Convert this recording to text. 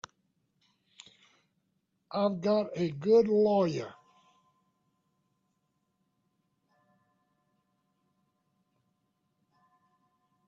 I've got a good lawyer.